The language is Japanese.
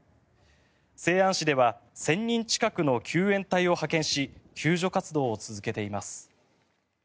西安市では１０００人近くの救援隊を派遣し救助活動を続けています。